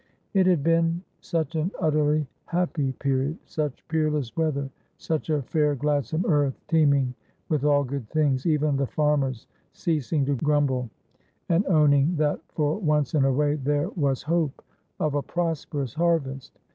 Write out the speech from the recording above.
It had been such an utterly happy period ; such peerless weather ; such a fair gladsome earth, teeming with all good things — even the farmers ceasing to grumble, and owning that, for once in a way, there was hope of a prosperous harvest.